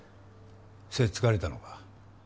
せっつかれたのか？